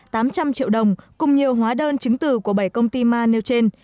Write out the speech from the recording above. tám trăm linh triệu đồng cùng nhiều hóa đơn chứng từ của bảy công ty ma nêu trên